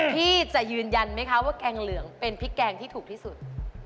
พี่จะยืนยันไหมคะว่าแกงเหลืองเป็นพริกแกงที่ถูกที่สุด